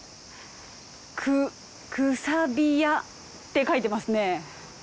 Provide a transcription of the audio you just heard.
くくさびやって書いてますね。